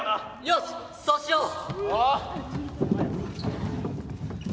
よしそうしよう！